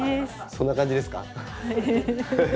そんな感じですか。